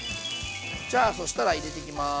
じゃあそしたら入れていきます。